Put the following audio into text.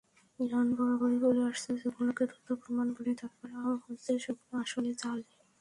Iran বরাবরই বলে আসছে, যেগুলোকে তথ্যপ্রমাণ বলে দাবি করা হচ্ছে, সেগুলো আসলে জাল।